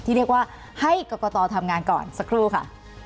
เรียกว่าให้กรกตทำงานก่อนสักครู่ค่ะ